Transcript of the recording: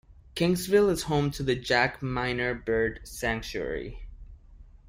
Kingsville is home to the Jack Miner Bird Sanctuary.